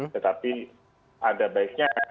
tetapi ada baiknya